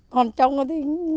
còn trong thì